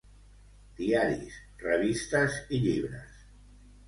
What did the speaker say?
Diaris, revistes i llibres.